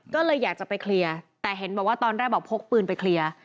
ก็เลยอยากจะไปเคลียร์แต่เห็นบอกว่าตอนแรกบอกพกปืนไปเคลียร์